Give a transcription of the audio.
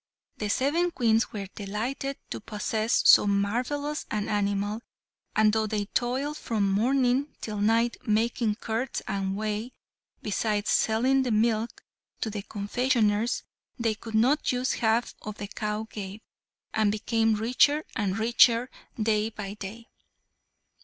The seven Queens were delighted to possess so marvellous an animal, and though they toiled from morning till night making curds and whey, besides selling milk to the confectioners, they could not use half the cow gave, and became richer and richer day by day.